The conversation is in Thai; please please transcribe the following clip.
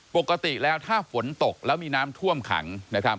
ปกติแล้วถ้าฝนตกแล้วมีน้ำท่วมขังนะครับ